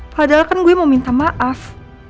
padahal kan gue mau minta maaf